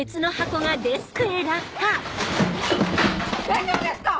大丈夫ですか？